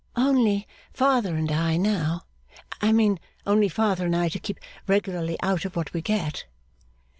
'Only father and I, now. I mean, only father and I to keep regularly out of what we get.